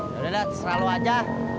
yaudah yaudah serah lo aja